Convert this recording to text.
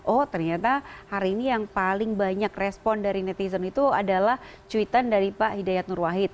oh ternyata hari ini yang paling banyak respon dari netizen itu adalah cuitan dari pak hidayat nur wahid